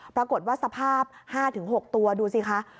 ปรากฏว่าสภาพ๕๖ตัวดูสิคะ